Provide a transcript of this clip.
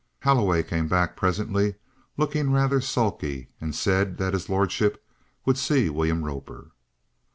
Holloway came back presently, looking rather sulky, and said that his lordship would see William Roper.